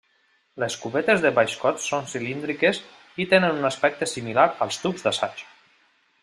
Les cubetes de baix cost són cilíndriques i tenen un aspecte similar als tubs d'assaig.